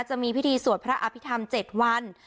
จะมีพิธีสวดพระอภิษฐรรม๗วัน